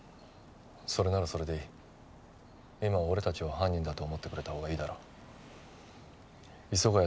それならそれでいい今は俺達を犯人だと思ってくれたほうがいいだろう磯ヶ